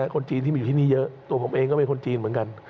คนจีนที่มาอยู่ที่นี่เยอะตัวผมเองก็เป็นคนจีนเหมือนกัน